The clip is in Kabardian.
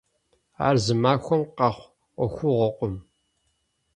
Ар зы махуэм къэхъу Ӏуэхугъуэкъым.